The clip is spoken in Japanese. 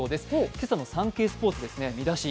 今朝の「サンケイスポーツ」ですね見出し。